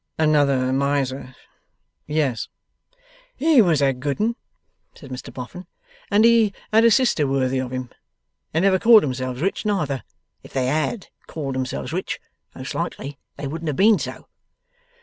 'Another miser? Yes.' 'He was a good 'un,' said Mr Boffin, 'and he had a sister worthy of him. They never called themselves rich neither. If they HAD called themselves rich, most likely they wouldn't have been so.